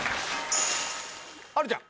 はるちゃん！